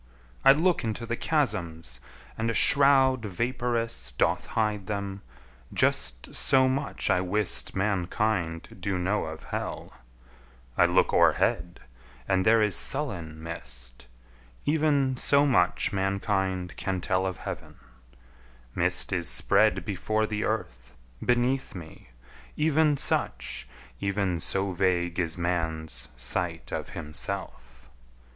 I look into the chasms, and a shroud Vapurous doth hide them just so much I wist Mankind do know of hell; I look o'erhead, And there is sullen mist, even so much Mankind can tell of heaven; mist is spread Before the earth, beneath me, even such, Even so vague is man's sight of himself!